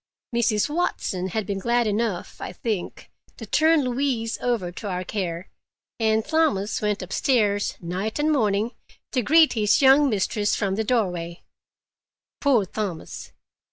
Mrs. Watson had been glad enough, I think, to turn Louise over to our care, and Thomas went upstairs night and morning to greet his young mistress from the doorway. Poor Thomas!